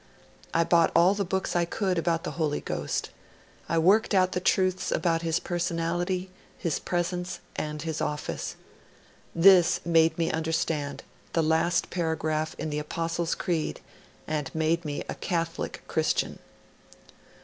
I bought all the books I could about the Holy Ghost. I worked out the truths about His personality, His presence, and His office. This made me understand the last paragraph in the Apostles' Creed, and made me a Catholic Christian.'